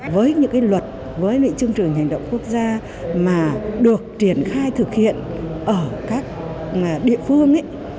với những luật với chương trình hành động quốc gia mà được triển khai thực hiện ở các địa phương ấy